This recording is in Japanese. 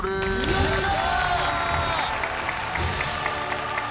よっしゃ！